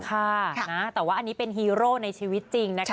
ค่ะนะแต่ว่าอันนี้เป็นฮีโร่ในชีวิตจริงนะคะ